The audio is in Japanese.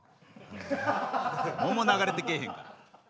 桃流れてけえへんから。